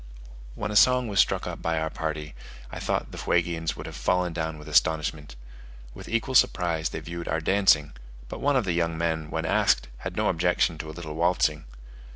When a song was struck up by our party, I thought the Fuegians would have fallen down with astonishment. With equal surprise they viewed our dancing; but one of the young men, when asked, had no objection to a little waltzing.